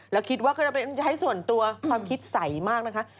แล้วคิดว่าก็จะใช้ส่วนตัวความคิดใสมากนะคะ